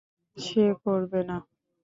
সে করবে না।